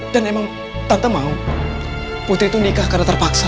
dan emang tante mau putri tuh nikah karena terpaksa